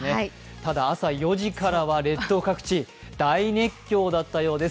ただ朝４時からは列島各地大熱狂だったようです。